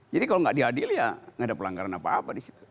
jadi kalau nggak diadil ya nggak ada pelanggaran apa apa di situ